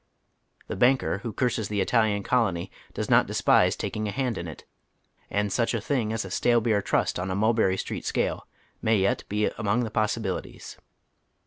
The " banker " who cnrses the Italian colony does not despise taking a band in it, and such a thing as a stale beer trust on a Mulberry Street scale may yet be among the possibilities.